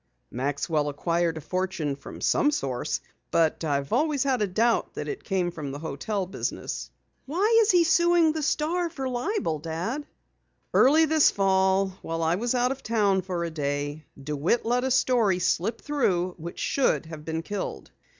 "Maxwell acquired a fortune from some source, but I've always had a doubt that it came from the hotel business." "Why is he suing the Star for libel, Dad?" "Early this fall, while I was out of town for a day DeWitt let a story slip through which should have been killed.